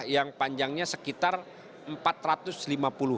yang panjangnya sekitar empat jam